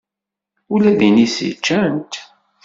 Ula d inisi ččan-t.